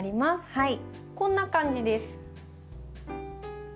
はい。